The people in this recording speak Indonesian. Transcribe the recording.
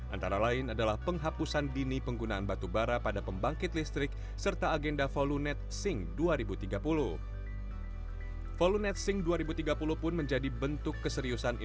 antara lain adalah penghapusan dini penggunaan batu bara pada pembangkit listrik serta agenda volunet sinc dua ribu tiga puluh